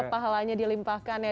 semoga pahalanya dilimpahkan ya